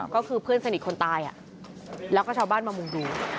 ก็คือเพื่อนสนิทคนตายแล้วก็ชาวบ้านมามุ่งดู